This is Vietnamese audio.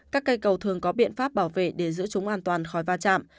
các cây cầu thường có biện pháp bảo vệ để giữ chúng an toàn khỏi va chạm